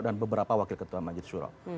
dan beberapa wakil ketua majelis suro